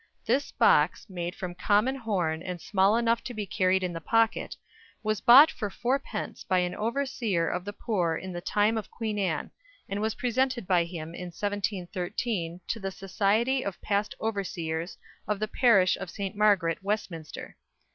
This box, made of common horn and small enough to be carried in the pocket, was bought for fourpence by an overseer of the poor in the time of Queen Anne, and was presented by him in 1713 to the Society of Past Overseers of the parish of St. Margaret, Westminster.